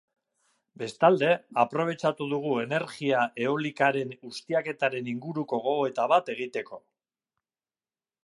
Bestalde, aprobetxatu dugu energia eolikaren ustiaketaren inguruko gogoeta bat egiteko.